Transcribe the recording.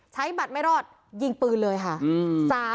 ใช้บัตรไม่รอดยิงปืนเลยค่ะ